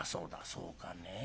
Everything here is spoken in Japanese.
「そうかねぇ。